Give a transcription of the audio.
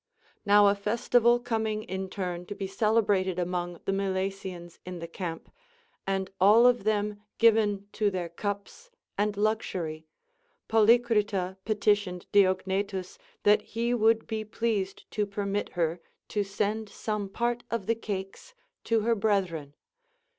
Now a festival comiuii in turn to be celebrated amonir the Milesians in the camp, and all of them given to their cups and luxury, Polycrita petitioned Diognetus that he would be pleased to permit her to send some part of the cakes to her brethren.